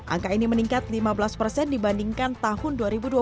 angka ini meningkat lima belas persen dibandingkan tahun dua ribu dua puluh